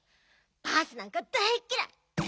バースなんか大っきらい！